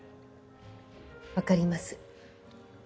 分かります。